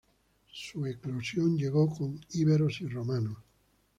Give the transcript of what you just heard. Su eclosión llegó con íberos y romanos.